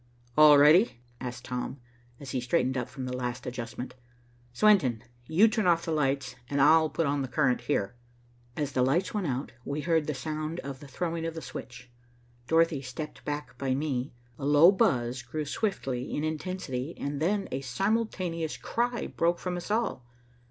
"All ready?" asked Tom, as he straightened up from the last adjustment. "Swenton, you turn off the lights and I'll put on the current here." As the lights went out, and we heard the sound of the throwing of the switch, Dorothy stepped back by me. A low buzz grew swiftly in intensity, and then a simultaneous cry broke from us all.